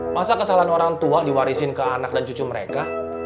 masa kesalahan orang tua diwarisin ke anak dan cucu mereka